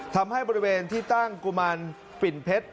ทำให้บริเวณที่ตั้งกุมารปิ่นเพชร